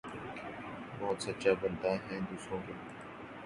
بہت سچا بنتا ھے دوسروں کے لئے